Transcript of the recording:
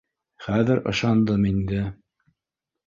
Хәҙер ышандым инде